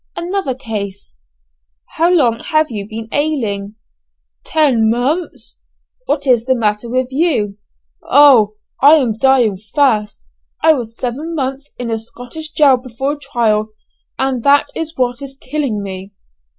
Another case "How long have you been ailing?" "Ten months." "What is the matter with you?" "Oh! I am dying fast. I was seven months in a Scotch jail before trial, and that is what is killing me."